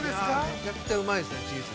◆むちゃくちゃうまいですね、チーズ。